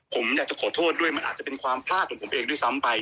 ผมอยากจะขอโทษด้วยมันอาจจะเป็นความพลาดของผมเองด้วยซ้ำไป